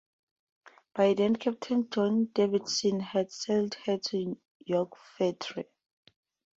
By then Captain John Davidson had sailed her to York Factory.